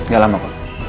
gak lama kok